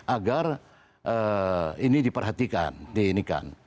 agar ini diperhatikan